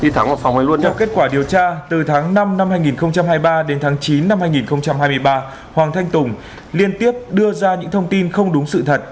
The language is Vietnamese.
theo kết quả điều tra từ tháng năm năm hai nghìn hai mươi ba đến tháng chín năm hai nghìn hai mươi ba hoàng thanh tùng liên tiếp đưa ra những thông tin không đúng sự thật